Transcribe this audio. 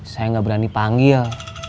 saya gak berani panggil